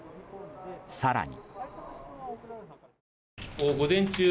更に。